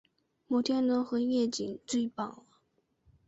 摩天轮和夜景最棒了